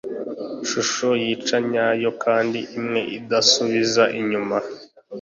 shusho yica nyayo kandi imwe utasubiza inyuma